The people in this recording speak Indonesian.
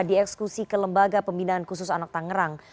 dieksekusi ke lembaga pembinaan khusus anak tangerang